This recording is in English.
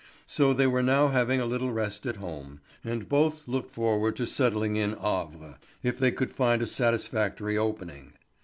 So they were now having a little rest at home, and both looked forward to settling in Havre if they could find a satisfactory opening.